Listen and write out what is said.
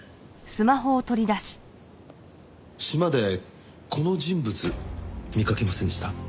島でこの人物見かけませんでした？